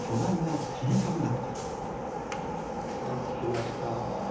はい着きました。